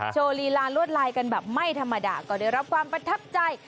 โชว์ลีลาลวดลายกันแบบไม่ธรรมดาก็ได้รับความประทับใจ